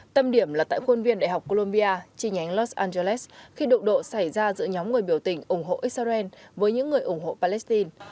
tâm điểm là tại khuôn viên đại học colombia chi nhánh los angeles khi đụng độ xảy ra giữa nhóm người biểu tình ủng hộ israel với những người ủng hộ palestine